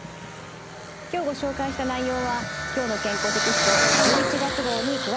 今日ご紹介した内容は「きょうの健康」テキスト１１月号に詳しく掲載されています。